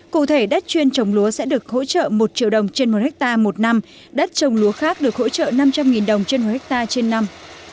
cụ thể đất chuyên trồng lúa sẽ được hỗ trợ một triệu đồng trên một hectare một năm đất trồng lúa khác được hỗ trợ năm trăm linh đồng trên một hectare trên năm